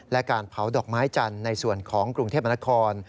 และการเผาดอกไม้จันทร์ในส่วนของกรุงเทพมนคร